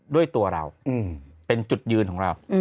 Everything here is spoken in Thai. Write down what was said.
ด้วยตัวเราเป็นจุดยืนของเรา